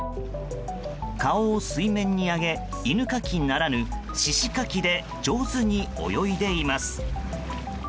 顔を水面に上げ犬かきならぬシシかきで上手に泳いでいます。